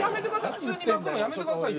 普通に巻くのやめて下さいよ。